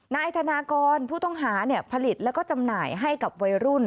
นายธนากรผู้ต้องหาผลิตแล้วก็จำหน่ายให้กับวัยรุ่น